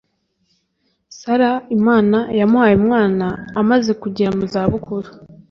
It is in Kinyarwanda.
Sala imana yamuhaye umwana amaze kugera muzabukuru